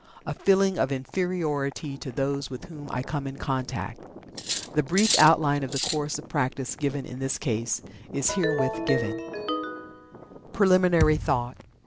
a feeling of Inferiority to those with whom I come in contact." The brief outline of the course of practice given in this case is herewith given: PRELIMINARY THOUGHT.